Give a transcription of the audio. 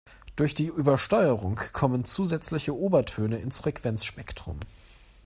Durch die Übersteuerung kommen zusätzliche Obertöne ins Frequenzspektrum.